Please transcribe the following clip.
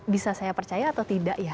bisa saya percaya atau tidak ya